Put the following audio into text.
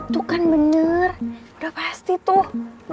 tuh kan bener udah pasti tuh